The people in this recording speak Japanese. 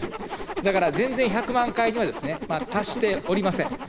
だから、全然１００万回には達しておりません。